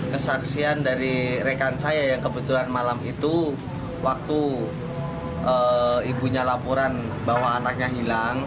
kesaksian dari rekan saya yang kebetulan malam itu waktu ibunya laporan bahwa anaknya hilang